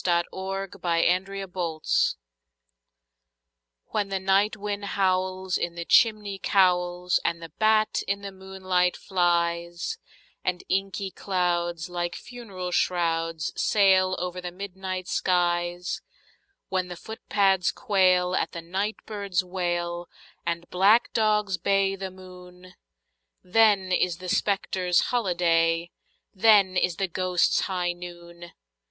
THE GHOSTS' HIGH NOON WHEN the night wind howls in the chimney cowls, and the bat in the moonlight flies, And inky clouds, like funeral shrouds, sail over the midnight skies— When the footpads quail at the night bird's wail, and black dogs bay the moon, Then is the spectres' holiday—then is the ghosts' high noon!